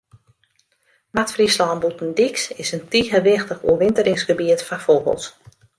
Noard-Fryslân Bûtendyks is in tige wichtich oerwinteringsgebiet foar fûgels.